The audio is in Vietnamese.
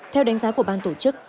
theo đánh giá của ban tổ chức